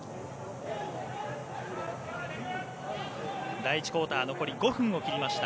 第１クオーター残り５分を切りました。